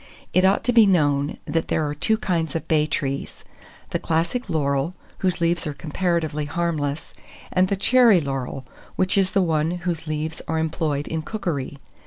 It ought to be known, that there are two kinds of bay trees, the Classic laurel, whose leaves are comparatively harmless, and the Cherry laurel, which is the one whose leaves are employed in cookery.